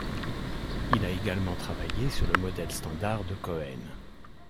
Il a également travaillé sur le modèle standard de Cohen.